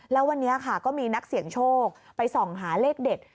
แล้ววันนี้ค่ะก็มีนักเสี่ยงโชคไปส่องหาเลขเด็ด